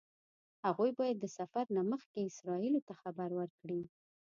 هغوی باید د سفر نه مخکې اسرائیلو ته خبر ورکړي.